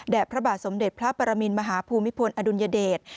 และพระบาทสมเด็จพระปรมินมหาภูมิพลอดุลยเดช